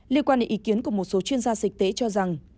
liên quan đến ý kiến của một số chuyên gia dịch tế cho rằng